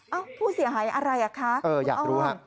เอ้าผู้เสียหายอะไรอ่ะคะคุณอ้อมคุณอ้อมอยากรู้ค่ะ